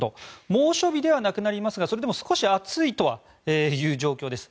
猛暑日ではなくなりますがそれでも少し暑いとはいう状況です。